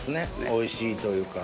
おいしいというか。